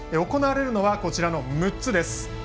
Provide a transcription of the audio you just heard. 行われるのは、こちらの６つです。